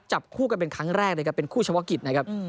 จับคู่กันเป็นครั้งแรกเลยครับเป็นคู่เฉพาะกิจนะครับ